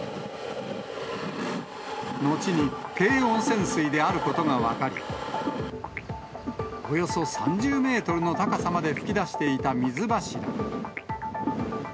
後に低温泉水であることが分かり、およそ３０メートルの高さまで噴き出していた水柱。